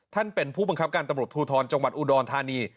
ท่านเป็นผู้บังคับการตำรวจภูทรจังหวัดอุดรธานี